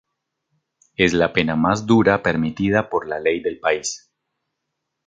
Es la pena más dura permitido por la ley del país.